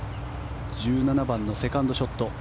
１７番のセカンドショット。